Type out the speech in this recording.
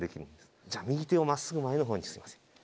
じゃあ右手を真っすぐ前のほうにすいません。